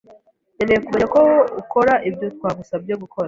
Nkeneye kumenya ko ukora ibyo twagusabye gukora.